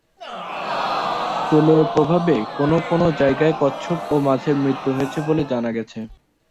তেলের প্রভাবে কোনও কোনও জায়গায় কচ্ছপ ও মাছের মৃত্যু হয়েছে বলে জানা গেছে।.